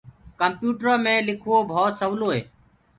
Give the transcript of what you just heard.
ڪمپيوُٽرو مي لکوو ڀوت سولو هي۔